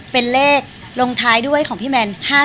เป็นเลขลงท้ายด้วยของพี่แมน๕๗